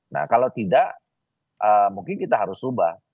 nah kalau tidak mungkin kita harus ubah